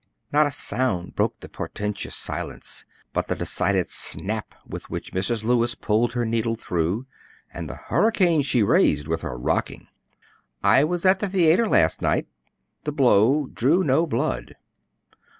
Not a sound broke the portentous silence but the decided snap with which Mrs. Lewis pulled her needle through, and the hurricane she raised with her rocking. "I was at the theatre last night." The blow drew no blood.